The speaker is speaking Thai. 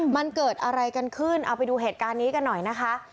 มันเกิดอะไรกันขึ้นเอาไปดูเหตุการณ์นี้กันหน่อยนะคะ